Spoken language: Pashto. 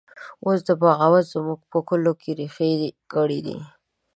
اوس بغاوت زموږ په کلو کې ریښې کړي دی